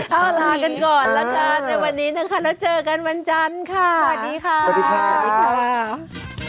แต่แกงหนูใช่ไหม